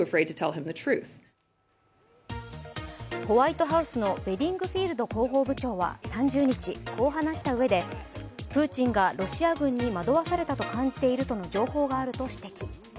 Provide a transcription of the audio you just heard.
ホワイトハウスのベディングフィールド広報部長は３０日、こう話した上でプーチンがロシア軍にまどわされたと感じているとの情報があると指摘。